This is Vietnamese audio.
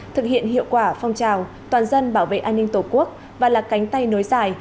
thực hiện hiệu quả phong trào toàn dân bảo vệ an ninh tổ quốc và là cánh tay nối dài